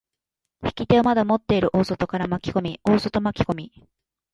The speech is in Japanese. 引き手をまだ持っている大外から巻き込み、大外巻き込み。